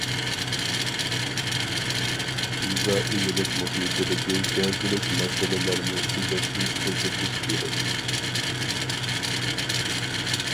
يېزا ئىگىلىك مۇھىتىدىكى گەۋدىلىك مەسىلىلەرنى تۈزەشنى تېزلىتىش كېرەك.